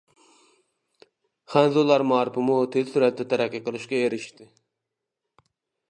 خەنزۇلار مائارىپىمۇ تېز سۈرئەتتە تەرەققىي قىلىشقا ئېرىشتى.